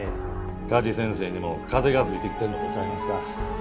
加地先生にも風が吹いてきてるんとちゃいますか？